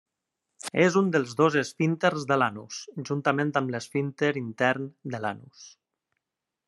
És un dels dos esfínters de l'anus, juntament amb l'esfínter intern de l'anus.